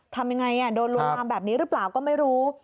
ทำยังไงโดนลวนลามแบบนี้หรือเปล่าก็ไม่รู้